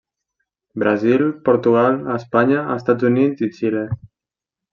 Brasil, Portugal, Espanya, Estats Units i Xile.